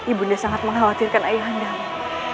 ibunya sangat mengkhawatirkan ayahandamu